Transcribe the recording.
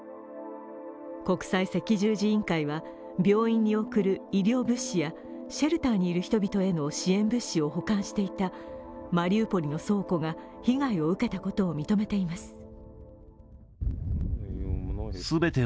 国際赤十字委員会は病院に送る医療物資やシェルターにいる人々への支援物資を保管していたマリウポリの倉庫が被害を受けたことを認めています。